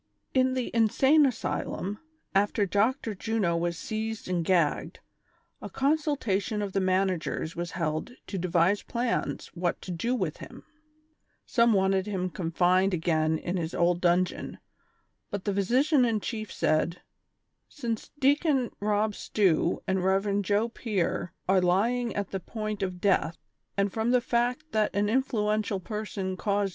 ilN the insane asylum, after Dr. Juno was seized and gagged, a consultation of the managers was held to devise plans what to do with him ; some wanted him confined again in his old dungeon, but the physician in chief said :" Since Deacon Hob Stew and Rev. Joe Pier are lying at the point of death, and from the fact that an influential person caused